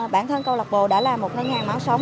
bản thân câu lạc bộ đã là một nhà máu sống